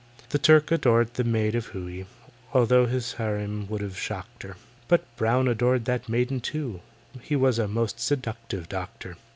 The Turk adored the maid of Hooe (Although his harem would have shocked her). But BROWN adored that maiden too: He was a most seductive doctor.